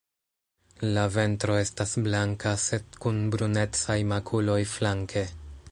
La ventro estas blanka sed kun brunecaj makuloj flanke.